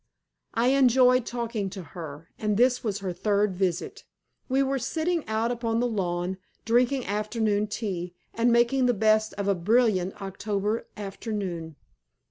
I enjoyed talking to her, and this was her third visit. We were sitting out upon the lawn, drinking afternoon tea, and making the best of a brilliant October afternoon.